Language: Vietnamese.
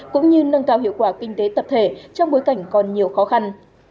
cũng như nâng cao hiệu quả kinh tế tập thể trong bối cảnh còn nhiều khó khăn